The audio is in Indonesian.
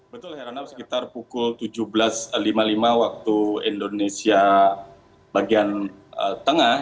betul heranov sekitar pukul tujuh belas lima puluh lima waktu indonesia bagian tengah